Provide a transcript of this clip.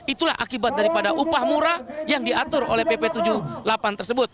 itulah akibat daripada upah murah yang diatur oleh pp tujuh puluh delapan tersebut